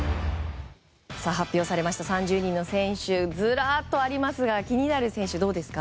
発表されました３０人の選手ずらっとありますが気になる選手はどうですか？